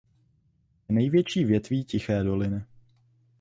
Je největší větví Tiché doliny.